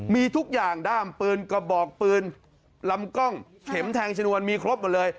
มีทุกอย่างด้ามปืนกระบอกปืนลำกล้องเข็มแทงชนวนมีครบหมดเลย